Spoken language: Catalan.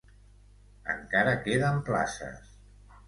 Encara queden places.